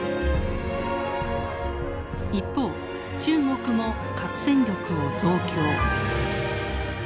一方中国も核戦力を増強。